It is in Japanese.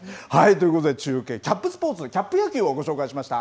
ということで中継、キャップスポーツ、キャップ野球をご紹介しました。